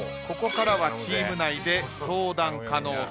ここからはチーム内で相談可能。